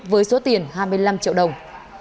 với số tiền hai mươi năm triệu đồng